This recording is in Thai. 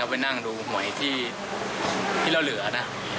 ไปนั่งดูหวยที่เราเหลือนะ